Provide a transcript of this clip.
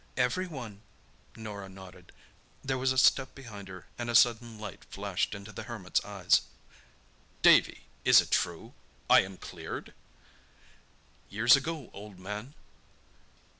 "Everyone," Norah nodded. There was a step behind her and a sudden light flashed into the Hermit's eyes. "Davy! Is it true? I am cleared?" "Years ago, old man."